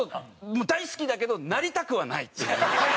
もう大好きだけどなりたくはないっていう。